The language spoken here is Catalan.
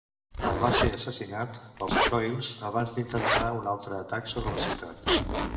El va ser assassinat pels etolis abans d'intentar un altre atac sobre la ciutat.